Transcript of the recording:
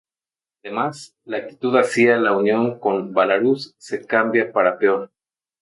Además, la actitud hacia la unión con Belarús se cambia para peor.